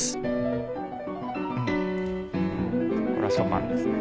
これはショパンですね。